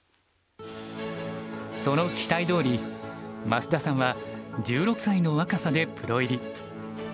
その期待どおり増田さんは１６歳の若さでプロ入り。